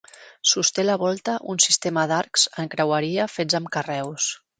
Sosté la volta un sistema d'arcs en creueria fets amb carreus.